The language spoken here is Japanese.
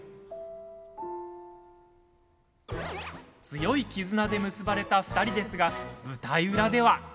強い絆で結ばれた２人ですが舞台裏では。